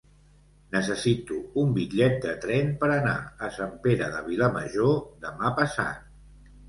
Necessito un bitllet de tren per anar a Sant Pere de Vilamajor demà passat.